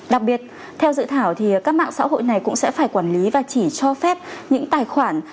đặc biệt theo dự thảo thì các mạng xã hội này cũng sẽ phải quản lý và chỉ cho phép những tài khoản